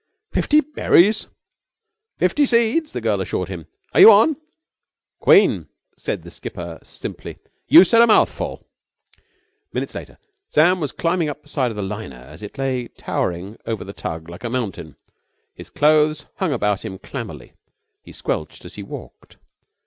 "Fifty berries!" "Fifty seeds!" the girl assured him. "Are you on?" "Queen," said the skipper simply, "you said a mouthful!" Twenty minutes later Sam was climbing up the side of the liner as it lay towering over the tug like a mountain. His clothes hung about him clammily. He squelched as he walked.